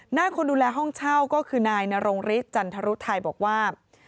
หน้าคนดูแลห้องเช่าก็คือนายนรงฤทธิจันทรุไทยบอกว่า